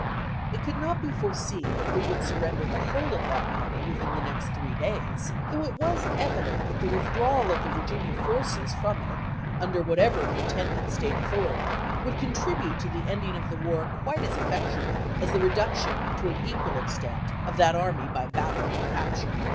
It could not be foreseen that Lee would surrender the whole of that army within the next three days, though it was evident that the withdrawal of the Virginia forces from it, under whatever pretended State authority, would contribute to the ending of the war quite as effectu ally as the reduction to an equal extent of that army by battle or capture.